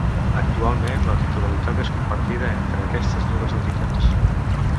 Actualment la titularitat és compartida entre aquestes dues entitats.